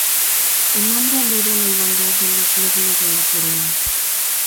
El nombre alude a la igualdad de los lóbulos de la corola.